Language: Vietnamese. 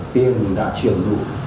tiền đã truyền đủ